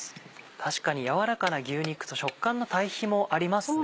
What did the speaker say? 確かに軟らかな牛肉と食感の対比もありますね。